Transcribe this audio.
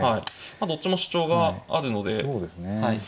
どっちも主張があるので。